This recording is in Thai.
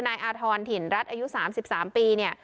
นายอาธรณ์ถิ่นรัฐอายุ๓๓ปี